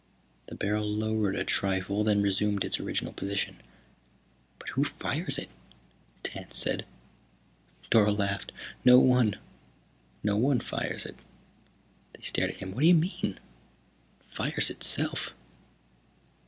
The barrel lowered a trifle, then resumed its original position. "But who fires it?" Tance said. Dorle laughed. "No one. No one fires it." They stared at him. "What do you mean?" "It fires itself."